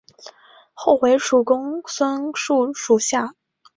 后为蜀公孙述属下。